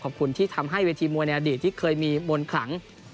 ขอบคุณที่ทำให้เวทีมวยในอดีตที่เคยมีมนต์ขลัง